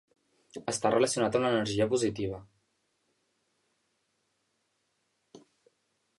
Està relacionat amb l'energia positiva.